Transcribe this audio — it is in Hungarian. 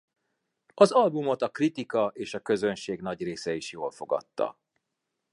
Az albumot a kritika és a közönség nagy része is jól fogadta.